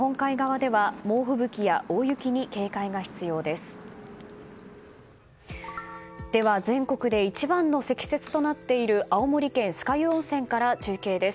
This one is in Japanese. では、全国で一番の積雪となっている青森県酸ヶ湯温泉から中継です。